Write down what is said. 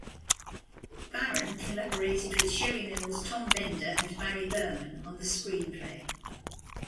Barron collaborated with Sherry Mills, Tom Bender and Barry Berman on the screenplay.